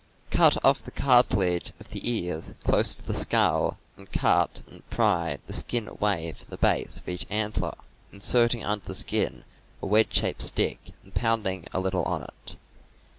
Cut off the cartilage of the ears close to the skull, and cut and pry the skin away from the base of each antler, inserting under the skin a wedge shaped stick and pounding a little on it.